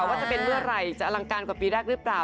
ว่าจะเป็นเมื่อไหร่จะอลังการกว่าปีแรกหรือเปล่า